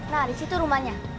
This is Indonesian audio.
nah di situ rumahnya